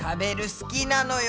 好きなのよ。